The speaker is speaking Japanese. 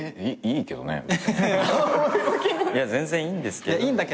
全然いいんですけど。